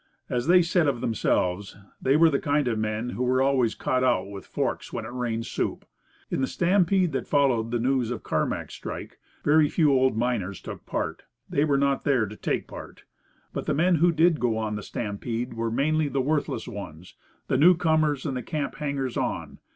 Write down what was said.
As they said of themselves, they were the kind of men who are always caught out with forks when it rains soup. In the stampede that followed the news of Carmack's strike very few old miners took part. They were not there to take part. But the men who did go on the stampede were mainly the worthless ones, the new comers, and the camp hangers on.